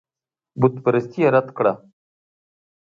بتپرستي یې رد کړه.